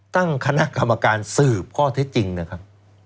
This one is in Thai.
ตั้งคณะกรรมการสืบข้อเท็จจริงนะครับ